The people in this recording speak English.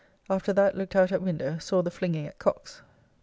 After that looked out at window; saw the flinging at cocks.